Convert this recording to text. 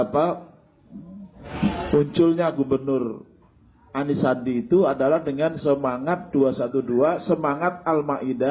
punculnya gubernur ani sandi itu adalah dengan semangat dua ratus dua belas semangat al maida lima puluh satu